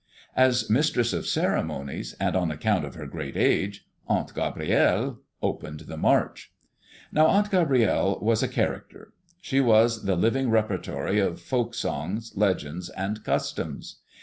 As mistress of ceremonies, and on account of her great age, Aunt Gabrielle opened the march. Now, Aunt Gabrielle was a character. She was the living repertory of folk songs, legends, and customs.